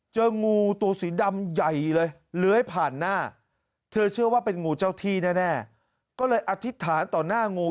เจองูตัวสีดำใหญ่เลยเลื้อยผ่านหน้าเธอเชื่อว่าเป็นงูเจ้าที่แน่ก็เลยอธิษฐานต่อหน้างู